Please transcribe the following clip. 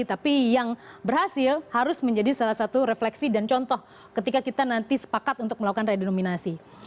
tapi yang berhasil harus menjadi salah satu refleksi dan contoh ketika kita nanti sepakat untuk melakukan redenominasi